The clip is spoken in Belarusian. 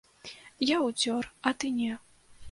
Я ўцёр, а ты не.